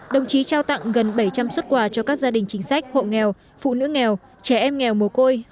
đồng chí trao tặng gần bảy trăm linh xuất quà cho các gia đình chính sách hộ nghèo phụ nữ nghèo trẻ em nghèo mồ côi